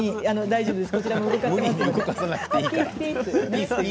大丈夫ですから。